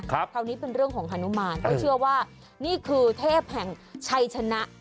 คราวนี้เป็นเรื่องของฮานุมานเพราะเชื่อว่านี่คือเทพแห่งชัยชนะ